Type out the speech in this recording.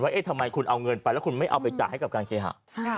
เอ๊ะทำไมคุณเอาเงินไปแล้วคุณไม่เอาไปจ่ายให้กับการเคหะ